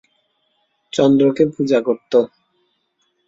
চন্দ্রকে পূজা করত।